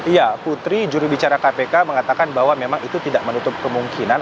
ya putri jurubicara kpk mengatakan bahwa memang itu tidak menutup kemungkinan